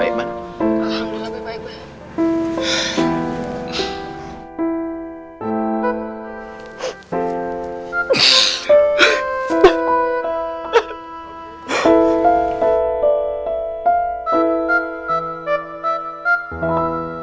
alhamdulillah baik baik pak